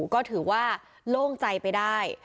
ก็ถือว่าโล่งใจไปได้